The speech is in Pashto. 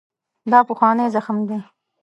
دا پخوانی زخم دی.